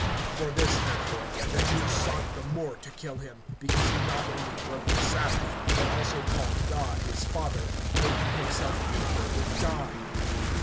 (18)For this therefore the Jews sought the more to kill him, because he not only broke the sabbath, but also called God his Father, making himself equal with God.